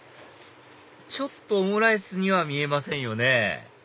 ちょっとオムライスには見えませんよね